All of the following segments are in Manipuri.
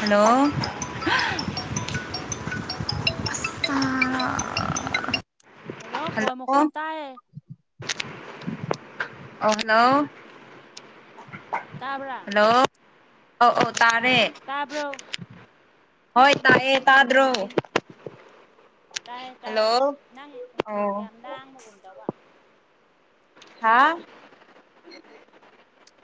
ꯍꯜꯂꯣ ꯑꯁ ꯇꯥ ꯍꯜꯂꯣ ꯐꯣꯟ ꯃꯈ‌ꯣꯜ ꯇꯥꯏ ꯑꯥ ꯍꯜꯂꯣ ꯇꯥꯕ꯭ꯔꯥ ꯍꯜꯂꯣ ꯑꯧ ꯑꯧ ꯇꯥꯔꯦ ꯇꯥꯕ꯭ꯔꯣ ꯍꯣꯏ ꯇꯥꯏꯌꯦ ꯇꯥꯗ꯭ꯔꯣ ꯇꯥꯏ ꯇꯥꯏ ꯍꯜꯂꯣ ꯅꯪ ꯑꯣ ꯌꯥꯝ ꯂꯥꯡꯕꯒꯨꯝ ꯇꯧꯕ ꯍꯥꯥ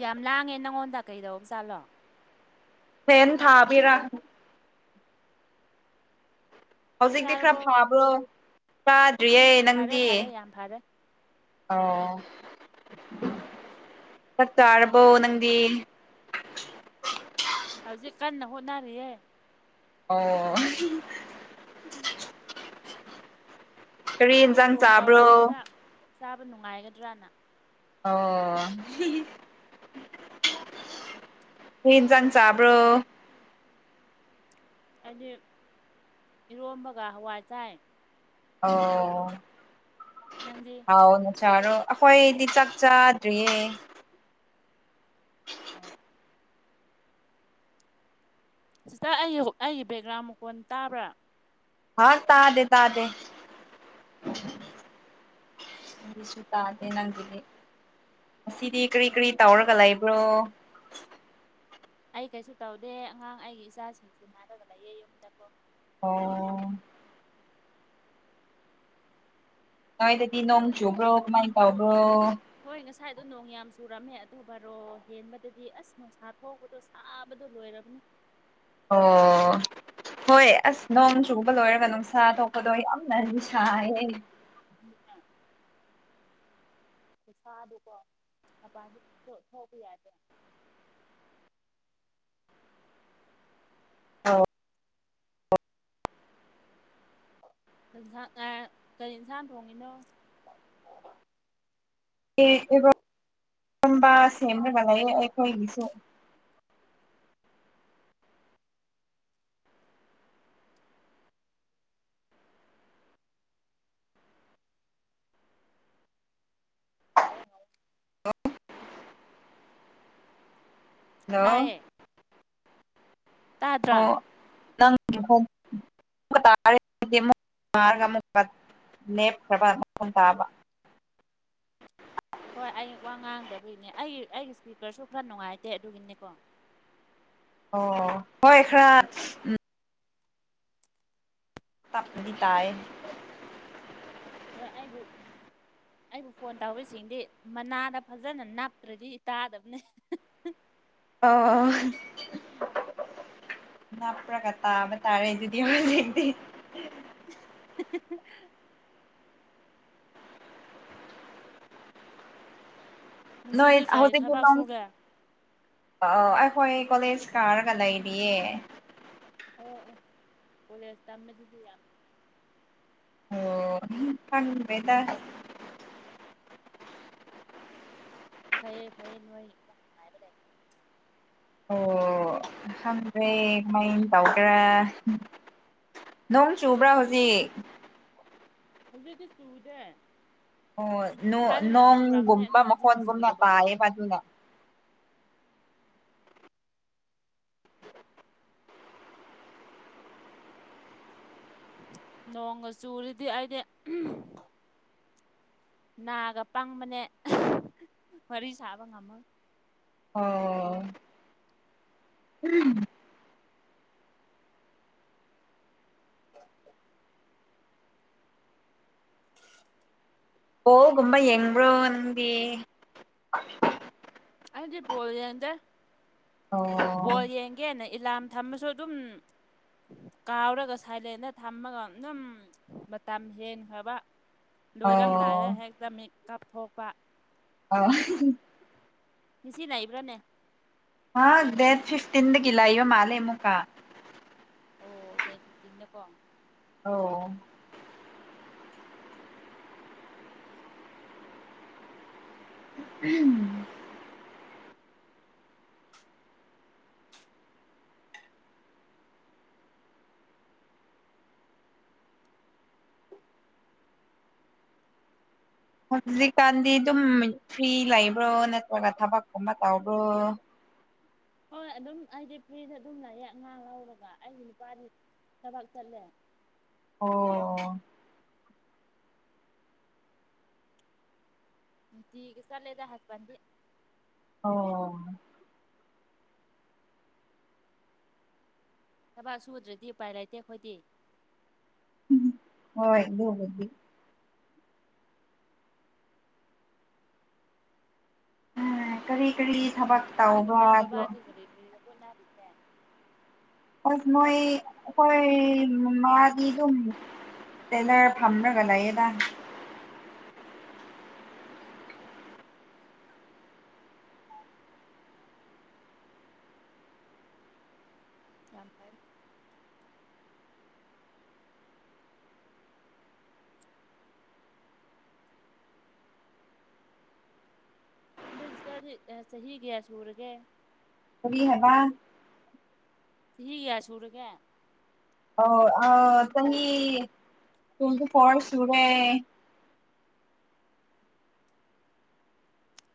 ꯌꯥꯝ ꯂꯥꯡꯉꯦ ꯅꯪꯉꯣꯟꯗ ꯀꯩꯗꯧꯕ ꯖꯥꯠꯂꯣ ꯐꯦꯟ ꯊꯥꯕꯤꯔ ꯆꯥꯛ ꯍꯧꯖꯤꯛꯇꯤ ꯈꯔ ꯆꯥꯔꯕꯣ ꯐꯥꯕ꯭ꯔꯣ ꯀꯥꯗ꯭ꯔꯤꯌꯦ ꯐꯔꯦ ꯅꯪꯗꯤ ꯐꯔꯦ ꯌꯥꯝ ꯐꯔꯦ ꯑꯧ ꯆꯥꯛ ꯆꯥꯔꯕꯣ ꯅꯪꯗꯤ ꯍꯧꯖꯤꯛ ꯀꯟꯅ ꯍꯣꯠꯅꯔꯤꯌꯦ ꯑꯣ ꯎꯝ ꯀꯔꯤ ꯌꯦꯟꯖꯥꯡ ꯐꯣꯟ ꯆꯥꯕ꯭ꯔꯣ ꯇꯧꯔꯤꯗꯤ ꯈꯔ ꯆꯥꯕ ꯅꯨꯡꯉꯥꯏꯒꯗ꯭ꯔꯅ ꯑꯣ ꯃꯤꯟꯖꯥꯡ ꯆꯥꯕ꯭ꯔꯣ ꯍꯥꯏꯗꯤ ꯏꯔꯣꯝꯕꯒ ꯍꯋꯥꯏ ꯆꯥꯏ ꯑꯣ ꯅꯪꯖꯦ ꯍꯥꯎ ꯅ ꯁꯥꯥꯔꯣ ꯑꯩꯈꯣꯏꯗꯤ ꯆꯥꯛ ꯆꯥꯗ꯭ꯔꯤꯌꯦ ꯁꯤꯁꯇꯔ ꯑꯩꯒꯤ ꯑꯩꯒꯤ ꯕꯦꯛꯒ꯭ꯔꯥꯎꯟ ꯃꯈꯣꯟ ꯇꯥꯕ꯭ꯔꯥ ꯍꯥꯎ ꯇꯥꯗꯦ ꯇꯥꯗꯦ ꯁꯨꯨ ꯇꯥꯗꯦ ꯅꯪꯒꯤꯗꯤ ꯉꯁꯤꯗꯤ ꯀꯔꯤ ꯀꯔꯤ ꯇꯧꯔꯒ ꯂꯩꯕ꯭ꯔꯣ ꯑꯩ ꯀꯩꯁꯨ ꯇꯧꯗꯦ ꯑꯉꯥꯡ ꯑꯩꯒꯤ ꯏꯆꯥꯁꯤꯡꯁꯤ ꯅꯥꯔꯒ ꯂꯩꯌꯦ ꯌꯨꯝꯗꯀꯣ ꯑꯣ ꯅꯣꯏ ꯗꯗꯤ ꯅꯣꯡꯆꯨꯕꯔꯣ ꯀꯃꯥꯏ ꯇꯧꯕꯔꯣ ꯍꯣꯏ ꯉꯁꯥꯏꯗꯣ ꯅꯣꯡ ꯌꯥꯝ ꯆꯨꯔꯝꯃꯦ ꯑꯗꯣ ꯕꯥꯔꯣ ꯍꯦꯟꯕꯗꯗꯤ ꯑꯁ ꯅꯨꯡꯁꯥ ꯊꯣꯛꯄꯗꯣ ꯁꯥꯕꯗ ꯂꯣꯏꯔꯝꯅꯤ ꯑꯣ ꯍꯣꯏ ꯑꯁ ꯅꯣꯡ ꯆꯨꯕ ꯂꯣꯏꯔꯒ ꯅꯨꯡꯁꯥ ꯊꯣꯛꯄꯗꯣ ꯌꯥꯝꯅ ꯁꯥꯏꯌꯦ ꯑꯩ ꯎꯝ ꯄꯩꯁꯥꯗꯨꯀꯣ ꯃꯄꯥꯟꯁꯨ ꯊꯣꯛꯄ ꯌꯥꯗꯦ ꯑ ꯟꯥꯡ ꯀꯔꯤ ꯏꯟꯁꯥꯡ ꯊꯣꯡꯉꯤꯅꯣ ꯑꯦ ꯑꯦꯕ ꯍꯕ ꯁꯦꯝꯔꯕ ꯂꯩ ꯑꯩꯈꯣꯏ ꯏꯂꯤꯁꯨ ꯍꯥꯎꯋꯦ ꯍꯥꯎꯋꯦ ꯑꯣ ꯍꯜꯂꯣ ꯇꯥꯏꯌꯦ ꯇꯥꯗ꯭ꯔꯥ ꯑꯣ 'inaudible' ꯅꯦꯞ꯭ꯔꯕ ꯃꯈꯣꯟ ꯇꯥꯕ ꯍꯣꯏ ꯑꯩ ꯋꯥ ꯉꯥꯡꯗꯕꯒꯤꯅꯦ ꯑꯩꯒꯤ ꯑꯩꯒꯤ ꯏꯁꯄꯤꯀꯔꯁꯨ ꯈꯔ ꯅꯨꯡꯉꯥꯏꯇꯦ ꯑꯗꯨꯒꯤꯅꯦꯀꯣ ꯑꯣ ꯍꯣꯏ ꯈꯔ ꯎ ꯇꯞꯅꯗꯤ ꯇꯥꯌꯦ ꯍꯣꯏ ꯑꯩꯕꯨ ꯑꯩꯕꯨ ꯐꯣꯟ ꯇꯧꯔꯤꯁꯤꯡꯗꯤ ꯃꯅꯥꯗ ꯐꯖꯅ ꯅꯞꯇ꯭ꯔꯗꯤ ꯇꯥꯗꯕꯅꯦ ꯑꯣ ꯅꯄꯔꯒ ꯇꯥꯕ ꯇꯥꯔꯦꯗꯨꯗꯤ ꯍꯣꯔꯦꯟꯗꯤ ꯎꯝ ꯅꯣꯛꯄ ꯅꯣꯏ ꯉꯁꯤꯗꯤ ꯀꯔꯤ ꯍꯧꯖꯤꯛꯗꯤ ꯊꯕꯛ ꯗꯝ ꯁꯨꯒꯦ ꯑ ꯑꯩꯈꯣꯏ ꯀꯣꯂꯦꯖ ꯀꯥꯔꯒ ꯂꯩꯔꯤꯌꯦ ꯑꯣ ꯑꯣ ꯀꯣꯂꯦꯁ ꯇꯝꯕꯖꯤꯖꯨ ꯌꯥꯝ ꯑꯣ ꯈꯪꯗꯔꯦꯗ ꯐꯩꯌꯦ ꯐꯩꯌꯦ ꯅꯣꯏ ꯌꯥꯝ ꯉꯥꯏꯕ ꯂꯩ ꯑꯣ ꯈꯪꯗꯔꯦ ꯀꯔꯝ ꯇꯧꯒꯦꯔ ꯅꯣꯡ ꯆꯨꯕ꯭ꯔꯥ ꯍꯧꯖꯤꯛ ꯍꯧꯖꯤꯛꯇꯤ ꯆꯨꯗꯦ ꯑꯣ ꯉꯁꯥꯏꯗꯣ ꯌꯥꯝ ꯆꯨꯔꯝꯕꯅꯦ ꯑꯗꯣ ꯅꯣꯡꯒꯨꯝꯕ ꯍꯧꯖꯤꯛꯇꯤ ꯃꯈꯣꯟꯒꯨꯝꯅ ꯆꯨꯗꯦꯕꯀꯣ [unintelligible] ꯅꯣꯡꯒ ꯆꯨꯔꯗꯤ ꯑꯩꯗꯤ ꯅꯥꯒ ꯄꯪꯕꯅꯦ ꯋꯥꯔꯤ ꯁꯥꯕ ꯉꯝꯃꯣꯏ ꯑꯣ ꯎꯝ ꯑꯣ ꯀꯨꯝꯕ ꯌꯦꯡꯕ꯭ꯔꯣ ꯅꯪꯗꯤ ꯑꯗꯤ ꯕꯣꯜ ꯌꯦꯡꯗꯦ ꯑꯣ ꯕꯣꯜ ꯌꯦꯡꯒꯦꯅ ꯑꯦꯂꯥꯝ ꯊꯝꯃꯁꯨ ꯑꯗꯨꯝ ꯀꯥꯎꯔꯒ ꯁꯥꯏꯂꯦꯟꯗ ꯊꯝꯃꯒ ꯑꯗꯨꯝ ꯃꯇꯝ ꯍꯦꯟꯈ꯭ꯔꯕ ꯂꯣꯏꯔꯝꯗꯥꯏꯗ ꯑꯣ ꯍꯦꯛꯇ ꯃꯤꯠꯀꯞ ꯊꯣꯛꯄ [unintelligible] ꯉꯁꯤ ꯂꯩꯏꯕ꯭ꯔꯥꯅꯦ ꯍꯥ ꯗꯦꯠ ꯐꯤꯐꯇꯤꯟꯗꯒꯤ ꯂꯩꯕ ꯃꯥꯂꯦ ꯑꯃꯨꯛꯀꯥ ꯑꯣ ꯗꯦꯠ ꯐꯤꯐꯇꯤꯟꯗꯀꯣ ꯑꯣ ꯎꯝ ꯍꯧꯖꯤꯛꯀꯥꯟꯗꯤ ꯑꯗꯨꯝ ꯐ꯭ꯔꯤ ꯂꯩꯕ꯭ꯔꯣ ꯅꯠꯇ꯭ꯔꯒ ꯊꯕꯛꯀꯨꯝꯕ ꯇꯧꯕ꯭ꯔꯣ ꯍꯣꯏ ꯑꯗꯨꯝ ꯑꯩꯗꯤ ꯐ꯭ꯔꯤꯗ ꯑꯗꯨꯝ ꯂꯥꯏꯌꯦ ꯑꯉꯥꯡ ꯂꯧꯔꯒ ꯑꯩꯒꯤ ꯅꯨꯄꯥꯗꯤ ꯊꯕꯛ ꯆꯠꯂꯦ ꯑꯣ ꯅꯨꯡꯇꯤ ꯒꯤ ꯆꯠꯂꯦꯗ ꯍꯔꯕꯠꯇꯤ ꯑꯣ ꯊꯕꯛ ꯁꯨꯗ꯭ꯔꯗꯤ ꯎꯄꯥꯏ ꯂꯩꯇꯦ ꯑꯩꯈꯣꯏꯗꯤ ꯍꯣꯏ ꯑꯗꯨꯕꯨꯗꯤ ꯎꯝ ꯀꯔꯤ ꯀꯔꯤ ꯊꯕꯛ ꯅꯣꯏ ꯇꯧꯕ꯭ꯔꯥ ꯏꯃꯥ ꯑꯗꯣ ꯕꯕꯥꯗꯤ ꯀꯔꯤ ꯀꯔꯤ ꯍꯣꯠꯅꯔꯤꯒꯦ ꯃꯣꯏ ꯑꯩꯈꯣꯏ ꯃꯥꯥꯃꯥꯗꯤ ꯇꯦꯂꯔ ꯐꯥꯝꯔꯒ ꯂꯩꯌꯦꯗ ꯌꯥꯝ ꯐꯩ ꯑꯗꯨ ꯁꯤꯖꯇꯔꯗꯤ ꯆꯍꯤ ꯀꯌꯥ ꯁꯨꯔꯒꯦ ꯀꯔꯤ ꯍꯥꯏꯕ ꯆꯍꯤ ꯀꯌꯥ ꯁꯨꯔꯒꯦ ꯑꯣ ꯑꯥ ꯆꯍꯤ ꯇꯣꯟꯇꯤꯐꯣꯔ ꯁꯨꯔꯦ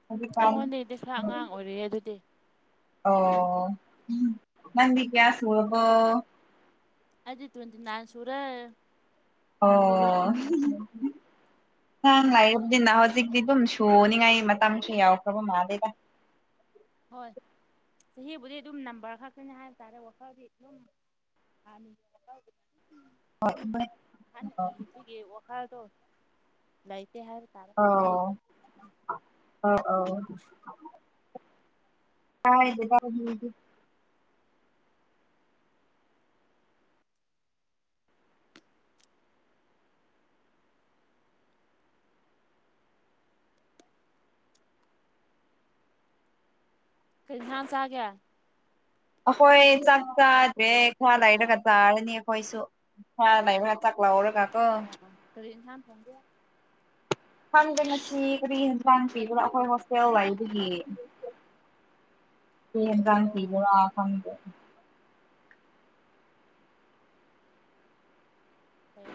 ꯍꯧꯖꯤꯛꯀꯥꯟ ꯑꯩꯉꯣꯟꯗꯩꯗꯤ ꯈꯔ ꯑꯉꯥꯡ ꯑꯣꯏꯔꯤꯌꯦ ꯑꯗꯨꯗꯤ ꯑꯣ ꯅꯪꯗꯤ ꯀꯌꯥ ꯁꯨꯔꯕꯣ ꯑꯩꯗꯤ ꯇꯣꯟꯇꯤꯅꯥꯏ ꯁꯨꯔꯦ ꯑꯣ ꯅꯍꯥꯟ ꯂꯥꯛꯏꯕꯅꯤꯅ ꯍꯧꯖꯤꯛꯇꯤ ꯑꯗꯨꯝ ꯁꯨꯅꯤꯉꯥꯏ ꯃꯇꯝꯁꯨ ꯌꯥꯎꯈ꯭ꯔꯕ ꯃꯥꯜꯂꯦꯗ ꯍꯣꯏ ꯆꯍꯤꯕꯨꯗꯤ ꯑꯗꯨꯝ ꯅꯝꯕꯔ ꯈꯛꯇꯅꯤ ꯍꯥꯏꯕ ꯇꯥꯔꯦ ꯋꯥꯈꯜꯗꯤ ꯑꯗꯨꯝ [unintelligible] ꯍꯣꯏ ꯍꯣꯏ ꯑꯍꯟ ꯑꯣꯒꯤꯕꯒꯤ ꯋꯥꯈꯜꯗꯣ ꯂꯩꯇꯦ ꯍꯥꯏꯕ ꯇꯥꯔꯦ ꯑꯣ ꯑꯣ ꯑꯣ [unintelligible] ꯀꯔꯤ ꯏꯟꯁꯥꯡ ꯆꯥꯒꯦ ꯑꯩꯈꯣꯏ ꯆꯥꯛ ꯆꯥꯗ꯭ꯔꯦ ꯈꯔ ꯂꯩꯔꯒ ꯆꯥꯔꯅꯤ ꯑꯩꯈꯣꯏꯁꯨ ꯈꯔ ꯂꯩꯕꯒ ꯆꯥꯛ ꯂꯧꯔꯒ ꯀꯣ ꯑꯣ ꯑꯥ ꯀꯔꯤ ꯏꯟꯁꯥꯡ ꯊꯣꯡꯒꯦ ꯈꯪꯗꯦ ꯉꯁꯤ ꯀꯔꯤ ꯏꯟꯖꯥꯡ ꯄꯤꯕꯅꯣ ꯑꯩꯈꯣꯏ ꯍꯣꯁꯇꯦꯜ ꯂꯩꯕꯒꯤ [inaudible] ꯀꯔꯤ ꯏꯟꯖꯥꯡ ꯑꯣ ꯄꯤꯕꯅꯣ ꯈꯥꯪꯗꯦ ꯐꯩ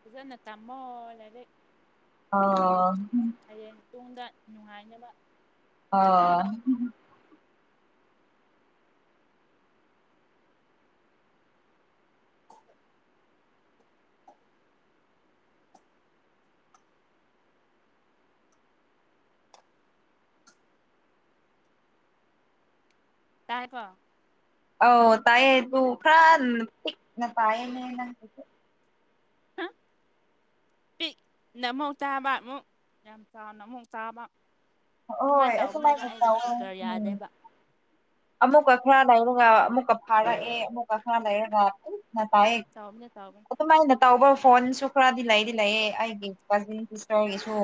ꯐꯖꯅ ꯇꯝꯃꯣ ꯂꯥꯏꯔꯤꯛ ꯑꯥ ꯍꯌꯦꯡ ꯇꯨꯡꯗ ꯅꯨꯡꯉꯥꯏꯅꯕ ꯑꯣ ꯇꯥꯏꯀꯣ ꯑꯧ ꯇꯥꯏꯌꯦ ꯑꯗꯣ ꯈ꯭ꯔ ꯄꯤꯛꯅ ꯇꯥꯏꯌꯦ ꯅꯪ ꯍꯥ ꯄꯤꯛꯅ ꯑꯃꯨꯛ ꯇꯥꯕ ꯑꯃꯨꯛ ꯌꯥꯝ ꯆꯥꯎꯅ ꯑꯃꯨꯛ ꯇꯥꯕ ꯍꯣꯏ ꯑꯗꯨꯃꯥꯏ ꯇꯧꯕꯅꯦꯕ ꯑꯁꯨꯃꯥꯏꯅ ꯑꯩꯁ ꯇꯧꯋꯦ ꯏꯁꯄꯤꯀꯔ ꯎꯝ ꯌꯥꯗꯦꯕ ꯑꯃꯨꯛꯀ ꯈꯔ ꯂꯩꯔꯒ ꯑꯃꯨꯛ ꯑ ꯐꯔꯛ ꯑꯦ ꯑꯃꯨꯛ ꯑ ꯈꯔ ꯂꯩꯔꯒ ꯐꯔꯛ ꯑꯦ ꯇꯧꯕꯅꯦ ꯇꯧꯕꯅꯦ ꯑꯗꯨꯃꯥꯏꯅ ꯇꯧꯕ ꯐꯣꯟꯁꯨ ꯈꯔꯗꯤ ꯂꯩꯗꯤ ꯂꯩꯌꯦ ꯑꯩꯒꯤ ꯈꯣꯜꯖꯦꯟ ꯁꯤꯁꯨ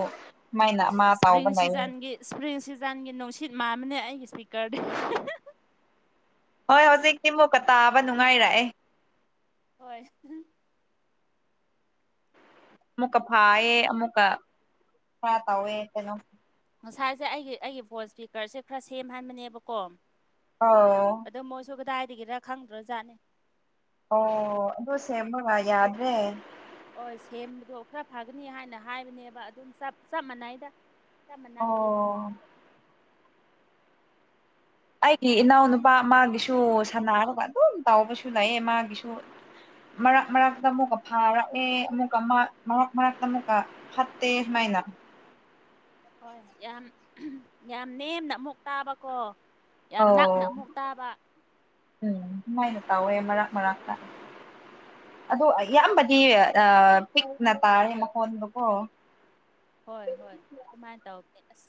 ꯏꯁꯄ꯭ꯔꯤꯡ ꯁꯤꯖꯟꯒꯤ ꯏꯁꯄ꯭ꯔꯤꯡ ꯁꯤꯖꯟꯒꯤ ꯅꯨꯡꯁꯤꯠ ꯃꯥꯥꯟꯕꯅꯦ ꯑꯩꯒꯤ ꯏꯁꯄꯤꯀꯔꯗꯤ ꯍꯣꯏ ꯍꯧꯖꯤꯛꯇꯤ ꯑꯃꯨꯛꯀ ꯇꯥꯕ ꯅꯨꯡꯉꯥꯏꯔꯛꯑꯦ ꯍꯣꯏ ꯑꯃꯨꯛꯀ ꯐꯥꯌꯦ ꯑꯃꯨꯛꯀ ꯈꯔ ꯇꯧꯋꯦ ꯀꯩꯅꯣ ꯉꯁꯥꯏꯁꯦ ꯑꯩꯒꯤ ꯑꯩꯒꯤ ꯐꯣꯟ ꯏꯁꯄꯤꯀꯔꯁꯦ ꯈꯔ ꯁꯦꯝꯍꯟꯕꯅꯦꯕꯀꯣ ꯑꯣ ꯑꯗꯣ ꯃꯣꯏꯁꯨ ꯀꯗꯥꯏꯗꯒꯤꯔ ꯈꯪꯗ꯭ꯔꯖꯥꯠꯅꯤ ꯑꯣ ꯑꯗꯨ ꯁꯦꯝꯃꯒ ꯌꯥꯗ꯭ꯔꯦ ꯑꯣ ꯁꯦꯝꯕꯗꯣ ꯈꯔ ꯐꯒꯅꯤ ꯍꯥꯏꯅ ꯍꯥꯏꯕꯅꯦꯕ ꯑꯗꯨꯝ ꯆꯞ ꯃꯥꯟꯅꯩꯗ ꯆꯞ ꯃꯥꯟꯅꯈꯤꯗ ꯑꯣ ꯑꯩꯒꯤ ꯏꯅꯥꯎꯅꯨꯄꯥ ꯃꯥꯒꯤꯁꯨ ꯁꯥꯅꯔꯒ ꯑꯗꯨꯝ ꯇꯥꯎꯕꯁꯨ ꯂꯩꯌꯦ ꯃꯥꯒꯤꯁꯨ ꯃꯔꯛ ꯃꯔꯛꯇ ꯑꯃꯨꯛꯀ ꯐꯥꯔꯛꯑꯦ ꯑꯃꯨꯛꯀ ꯃꯔꯛ ꯃꯔꯛꯇ ꯑꯃꯨꯛꯀ ꯐꯠꯇꯦ ꯃꯥꯏꯅꯥ ꯍꯣꯏ ꯌꯥꯝ ꯌꯥꯝ ꯅꯦꯝꯅ ꯑꯃꯨꯛ ꯇꯥꯕꯀꯣ ꯌꯥꯝ ꯑꯧ ꯅꯛꯅ ꯑꯃꯨꯛ ꯇꯥꯕ ꯎꯝ ꯑꯗꯨꯃꯥꯏꯅ ꯇꯧꯋꯦ ꯃꯔꯛ ꯃꯔꯛꯇ ꯑꯣ ꯑꯌꯥꯝꯕꯗꯤ ꯄꯤꯛꯅ ꯇꯥꯔꯦ ꯃꯈꯣꯟꯗꯣꯀꯣ ꯍꯣꯏ ꯍꯣꯏ ꯑꯗꯨꯃꯥꯏꯅ ꯇꯧꯕꯅꯦ ꯑꯁ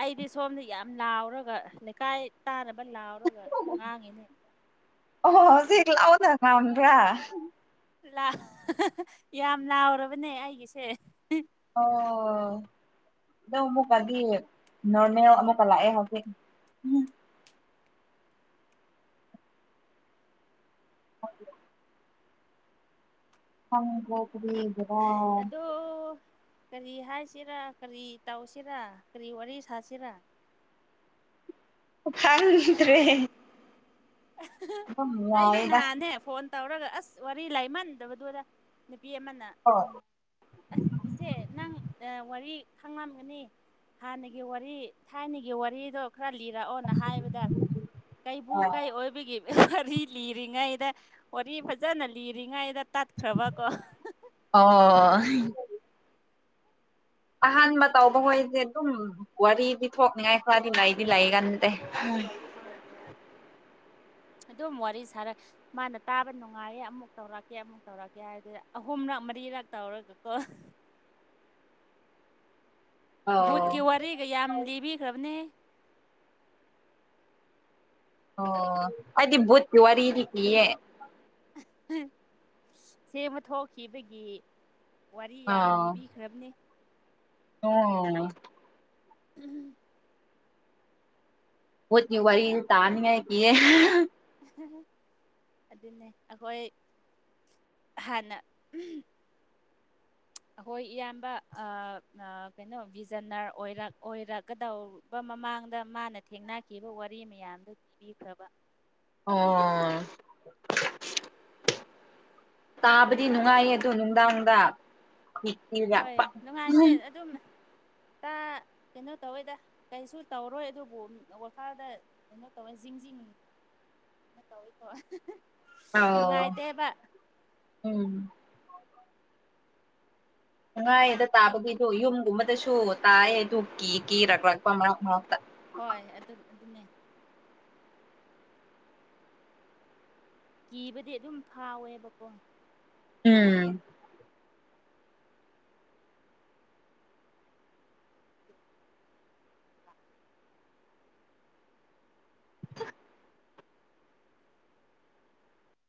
ꯑꯩꯗꯤ ꯁꯣꯝꯗ ꯌꯥꯝ ꯂꯥꯎꯔꯒ ꯂꯩꯀꯥꯏ ꯇꯥꯅꯕ ꯂꯥꯎꯔꯒ ꯉꯥꯡꯉꯤꯅꯦ ꯑꯣ ꯍꯧꯖꯤꯛ ꯂꯥꯎꯅ ꯉꯥꯡꯕꯔꯥ ꯌꯥꯝ ꯂꯥꯎꯔꯕꯅꯦ ꯑꯩꯒꯤꯁꯦ ꯑꯣ ꯑꯗꯣ ꯑꯃꯨꯛꯀꯗꯤ ꯅꯣꯔꯃꯦꯜ ꯑꯃꯨꯛꯀ ꯂꯥꯛꯑꯦ ꯍꯧꯖꯤꯛ ꯎꯝ [unintelligible] ꯍꯪꯒꯦ ꯀꯔꯤ ꯒꯤꯔ ꯑꯗꯣ ꯀꯔꯤ ꯍꯥꯏꯁꯤꯔꯥ ꯀꯔꯤ ꯇꯧꯁꯤꯔꯥ ꯀꯔꯤ ꯋꯥꯔꯤ ꯁꯥꯁꯤꯔꯥ ꯈꯡꯗ꯭ꯔꯦ ꯑꯩꯗꯤ ꯌꯥꯏꯗ ꯅꯍꯥꯟꯅꯦ ꯐꯣꯟ ꯇꯧꯔꯒ ꯑꯁ ꯋꯥꯔꯤ ꯂꯩ ꯃꯟꯗꯕꯗꯨꯗ ꯅꯨꯄꯤ ꯑꯃꯅ ꯀꯣ ꯎꯝ ꯑꯁ ꯏꯆꯦ ꯅꯪ ꯋꯥꯔꯤ ꯈꯪꯂꯝꯒꯅꯤ ꯍꯥꯟꯅꯒꯤ ꯋꯥꯔꯤ ꯊꯥꯏꯅꯒꯤ ꯋꯥꯔꯤꯗꯣ ꯈꯔ ꯂꯤꯔꯛꯑꯣꯅ ꯍꯥꯏꯕꯗ ꯑꯥ ꯀꯩ ꯑꯣꯏꯕꯒꯤ ꯋꯥꯔꯤ ꯂꯤꯔꯤꯉꯩꯗ ꯋꯥꯔꯤ ꯐꯖꯅ ꯂꯤꯔꯤꯉꯩꯗ ꯇꯠꯈ꯭ꯔꯕ ꯀꯣ ꯑꯣ ꯑꯍꯥꯟꯕ ꯇꯧꯕ ꯍꯣꯏꯁꯦ ꯑꯗꯨꯝ ꯋꯥꯔꯤ ꯂꯤꯊꯣꯛꯅꯤꯡꯉꯥꯏ ꯈꯔꯗꯤ ꯂꯩꯗꯤ ꯂꯩꯒꯟꯗꯦ ꯍꯣꯏ ꯑꯗꯨꯝ ꯋꯥꯔꯤ ꯁꯥꯔꯛ ꯃꯥꯅ ꯇꯥꯕ ꯅꯨꯡꯉꯥꯏꯌꯦ ꯑꯃꯨꯛ ꯇꯧꯔꯛꯀꯦ ꯑꯃꯨꯛ ꯇꯧꯔꯛꯀꯦ ꯍꯥꯏꯗꯨꯗꯤ ꯑꯍꯨꯝꯔꯛ ꯃꯔꯤꯔꯛ ꯇꯧꯔꯒ ꯀꯣ ꯑꯣ ꯚꯨꯠꯀꯤ ꯋꯥꯔꯤꯒ ꯌꯥꯝ ꯂꯤꯕꯤꯈ꯭ꯔꯕꯅꯦ ꯑꯣ ꯑꯩꯗꯤ ꯚꯨꯠꯀꯤ ꯋꯥꯔꯤꯗꯤ ꯀꯤꯌꯦ ꯑꯁꯦꯡꯕ ꯊꯣꯛꯈꯤꯕꯒꯤ ꯋꯥꯔꯤ ꯌꯥꯝ ꯑꯥ ꯂꯤꯕꯤꯈ꯭ꯔꯕꯅꯦ ꯑꯣ ꯎꯝ ꯎꯝ ꯚꯨꯠꯀꯤ ꯋꯥꯔꯤ ꯇꯥꯅꯤ ꯍꯥꯏ ꯀꯤꯌꯦ ꯑꯗꯨꯅꯦ ꯑꯩꯈꯣꯏ ꯍꯥꯟꯅ ꯑꯩꯈꯣꯏ ꯏꯌꯥꯝꯕ ꯀꯩꯅꯣ ꯚꯤꯖꯟꯅꯔ ꯑꯣꯏꯔꯛ ꯑꯣꯏꯔꯛꯀꯗꯧ ꯃꯃꯥꯡꯗ ꯃꯥꯅ ꯊꯦꯡꯅꯈꯤꯕ ꯋꯥꯔꯤ ꯃꯌꯥꯝꯗꯣ ꯄꯤꯕꯤꯈ꯭ꯔꯕ ꯑꯣ ꯇꯥꯕꯗꯤ ꯅꯨꯡꯉꯥꯏꯌꯦ ꯑꯗꯣ ꯅꯨꯡꯗꯥꯡꯗ ꯍꯣꯏ ꯀꯤꯔꯞꯄ ꯑ ꯀꯩꯅꯣ ꯇꯧꯋꯦꯗ ꯀꯩꯁꯨ ꯇꯧꯔꯣꯏ ꯑꯗꯨꯕꯨ ꯋꯥꯈꯜꯗ ꯀꯩꯅꯣ ꯇꯧꯋꯦ ꯖꯤꯡꯖꯤꯡ ꯀꯩꯅꯣ ꯇꯧꯋꯦꯀꯣ ꯑꯧ ꯎꯝ ꯅꯨꯡꯉꯥꯏꯗ ꯇꯥꯕꯒꯤꯗꯣ ꯌꯨꯝꯒꯨꯝꯕꯗꯁꯨ ꯇꯥꯏꯌꯦ ꯑꯗꯨ ꯀꯤ ꯀꯤꯔꯛꯄ ꯃꯔꯛ ꯃꯔꯛꯇ ꯍꯣꯏ ꯑꯗꯨ ꯑꯗꯨꯅꯦ ꯀꯤꯕꯗꯤ ꯑꯗꯨꯝ ꯐꯥꯎꯋꯦꯕꯀꯣ ꯎꯝ [inaudible]